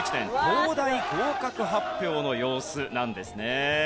東大合格発表の様子なんですね。